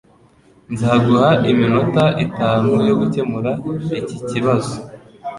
Nzaguha iminota itanu yo gukemura iki kibazo